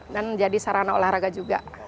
dan jadi sarana olahraga juga